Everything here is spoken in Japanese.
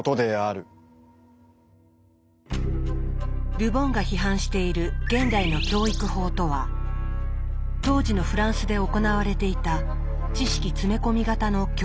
ル・ボンが批判している「現代の教育法」とは当時のフランスで行われていた知識詰め込み型の教育でした。